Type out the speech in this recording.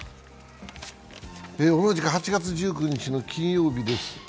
同じく８月１９日の金曜日です